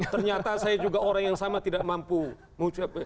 ternyata saya juga orang yang sama tidak mampu mengucapkan